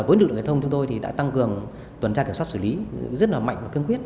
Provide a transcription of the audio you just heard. với nữ lực giao thông chúng tôi đã tăng cường tuần tra kiểm soát xử lý rất mạnh và kiên quyết